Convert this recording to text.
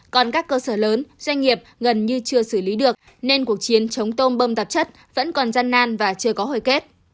còn các cơ sở lớn doanh nghiệp gần như chưa xử lý được nên cuộc chiến chống tôm bơm tạp chất vẫn còn gian nan và chưa có hồi kết